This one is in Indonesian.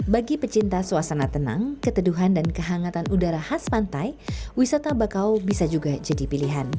bagi pecinta suasana tenang keteduhan dan kehangatan udara khas pantai wisata bakau bisa juga jadi pilihan